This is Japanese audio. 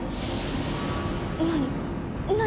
何？